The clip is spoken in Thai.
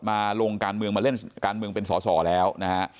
มาลงการเมืองมาเล่นการเมืองเป็นสอสอแล้วนะฮะ